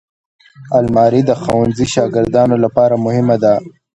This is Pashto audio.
الماري د ښوونځي شاګردانو لپاره مهمه ده